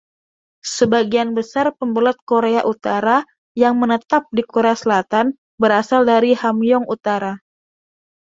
Sebagian besar pembelot Korea Utara yang menetap di Korea Selatan berasal dari Hamgyong Utara.